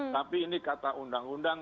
tapi ini kata undang undang